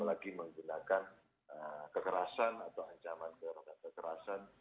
untuk mengadil jenazah apalagi menggunakan kekerasan atau ancaman terhadap kekerasan